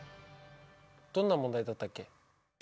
どんな問題だったっけ。